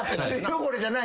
汚れじゃない？